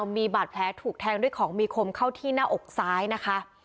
มีบาดแผลถูกแทงด้วยของมีคมเข้าที่หน้าอกซ้ายนะคะ